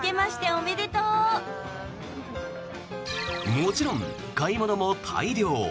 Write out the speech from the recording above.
もちろん買い物も大量。